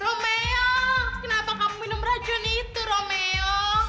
romeo kenapa kamu minum racun itu romeo